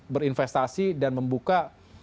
berinvestasi dan membuka